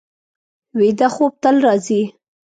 ویده خوب تل راځي